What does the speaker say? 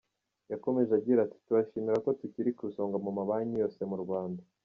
Yakomeje agira ati “Turishimira ko tukiri ku isonga mu mabanki yose mu Rwanda.